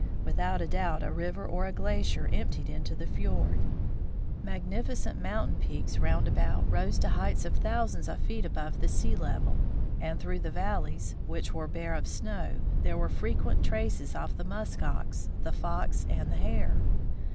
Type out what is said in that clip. Without doubt a river or glacier emptied into the fiord. Magnificent moun 84 THE FROZEN NORTH tain peaks round about rose to heights of thousands of feet above the sea level, and through the valleys, which were bare of snow, there were frequent traces of the musk ox, the fox, and the hare.